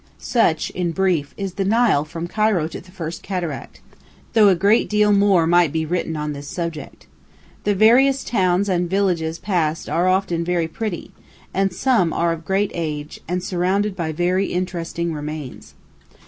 Such in brief is the Nile from Cairo to the first cataract, though a great deal more might be written on this subject. The various towns and villages passed are often very pretty, and some are of great age, and surrounded by very interesting remains.